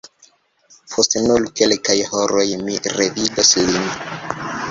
Post nur kelkaj horoj mi revidos lin!